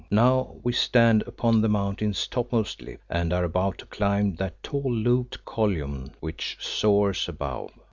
Now we stand upon the Mountain's topmost lip, and are about to climb that tall looped column which soars above."